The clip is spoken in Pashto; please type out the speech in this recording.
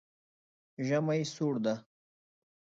ژمی سوړ ده